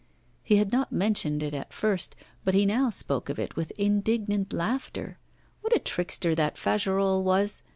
He had not mentioned it at first; but he now spoke of it with indignant laughter. What a trickster that Fagerolles was!